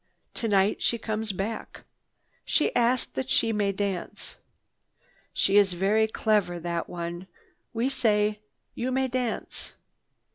Tonight she comes back. She asks that she may dance. She is very clever, that one. We say, 'You may dance.